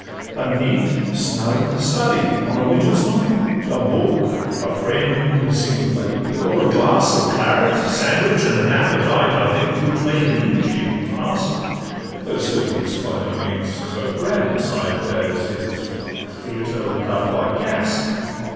A neat, snug study on a winter's night, A book, friend, single lady, or a glass Of claret, sandwich, and an appetite, Are things which make an English evening pass; Though certes by no means so grand a sight As is a theatre lit up by gas.